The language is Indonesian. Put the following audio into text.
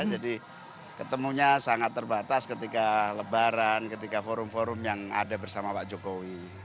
jadi ketemunya sangat terbatas ketika lebaran ketika forum forum yang ada bersama pak jokowi